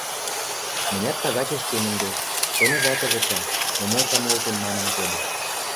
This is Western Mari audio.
— Мӹнят тагачеш кем ӹнде, тоны вӓтӹ выча: момоцам олтем манын коды.